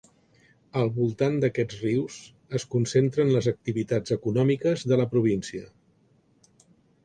Al voltant d'aquests rius es concentren les activitats econòmiques de la província.